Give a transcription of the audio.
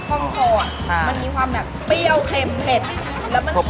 ผสมยำใช่ค่ะประมาณนั้นเพราะว่ามีข้าวคั่วมีพริกพริกอ่ม